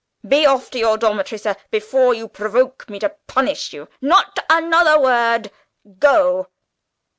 Be off to your dormitory, sir, before you provoke me to punish you. Not another word! Go!"